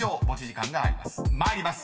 ［参ります。